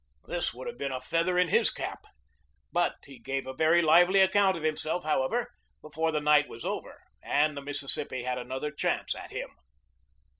This would have been a feather in his cap. But he gave a very lively account of himself, how ever, before the night was over, and the Mississippi had another chance at him.